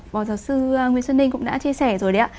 bò giáo sư nguyễn xuân ninh cũng đã chia sẻ rồi đấy ạ